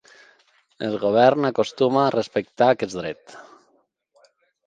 El govern acostuma a respectar aquest dret.